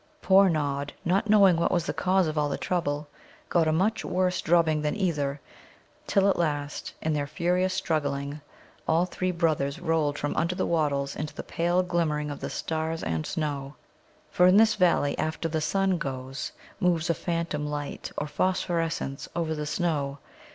Poor Nod, not knowing what was the cause of all the trouble, got a much worse drubbing than either, till at last, in their furious struggling, all three brothers rolled from under the wattles into the pale glimmering of the stars and snow. For in this valley after the sun goes moves a phantom light or phosphorescence over the snow.